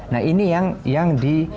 nah ini yang